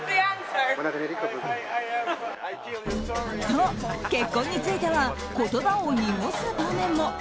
と、結婚については言葉を濁す場面も。